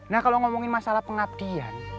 nah kalau ngomongin masalah pengabdian